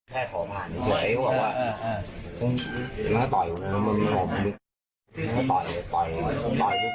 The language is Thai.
แค่ขอผ่านไหนวะมันก็ต่อยอยู่เนี้ยมันมันต่อยอยู่